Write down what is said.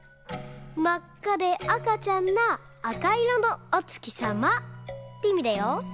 まっかで赤ちゃんな赤いろのお月さま」っていみだよ。